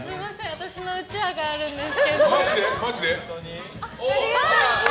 私のうちわがあるんですけど！